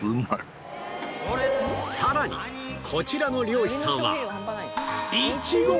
さらにこちらの漁師さんはいちご！